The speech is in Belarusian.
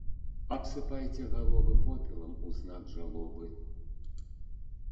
Абсыпайце галовы попелам у знак жалобы.